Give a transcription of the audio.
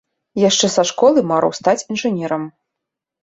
Яшчэ са школы марыў стаць інжынерам.